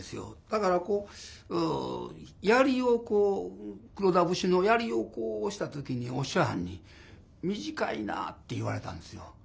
だからこう槍をこう「黒田節」の槍をこうした時にお師匠はんに「短いな」って言われたんですよ。